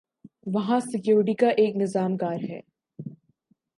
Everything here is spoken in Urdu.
وہاں سکیورٹی کا ایک نظام کار ہے۔